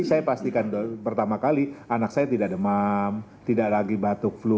saya pastikan pertama kali anak saya tidak demam tidak lagi batuk flu